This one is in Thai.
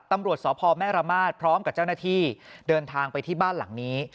ตำรวจสพแม่ระมาทพร้อมกับเจ้าหน้าที่เดินทางไปที่บ้านหลังนี้